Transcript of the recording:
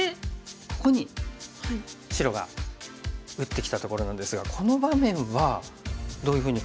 ここに白が打ってきたところなんですがこの場面はどういうふうに考えてましたでしょうか？